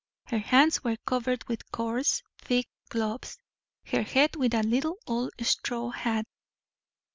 Her hands were covered with coarse, thick gloves, her head with a little old straw hat.